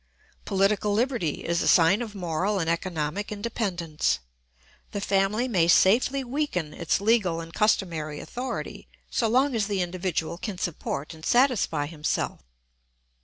Political liberty is a sign of moral and economic independence. The family may safely weaken its legal and customary authority so long as the individual can support and satisfy himself.